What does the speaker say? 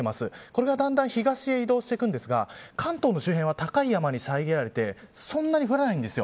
これがだんだん東へ移動していきますが関東周辺は高山に遮られてそんなに降らないんです。